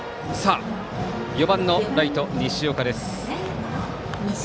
４番のライト、西岡。